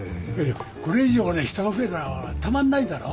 これ以上ね人が増えたらたまんないだろ。